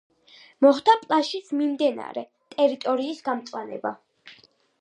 მოხდა პლაჟის მიმდებარე ტერიტორიის გამწვანება.